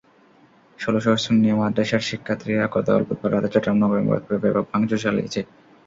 ষোলশহর সুন্নিয়া মাদ্রাসার শিক্ষার্থীরা গতকাল বুধবার রাতে চট্টগ্রাম নগরের মুরাদপুরে ব্যাপক ভাঙচুর চালিয়েছে।